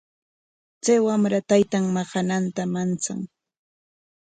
Chay wamra taytan maqananta manchan.